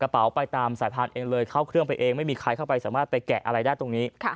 ไปตามสายพานเองเลยเข้าเครื่องไปเองไม่มีใครเข้าไปสามารถไปแกะอะไรได้ตรงนี้